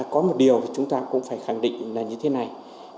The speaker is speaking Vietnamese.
có một điều thì chúng ta cũng phải khẳng định là như thế này